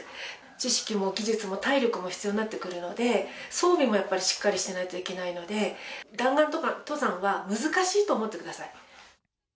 知識も技術も体力も必要になってくるので、装備もやっぱりしっかりしていないといけないので、弾丸登山は難しいと思ってください。